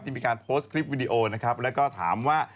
มีการโพสต์คลิปวิดีโอนะครับแล้วก็ถามว่า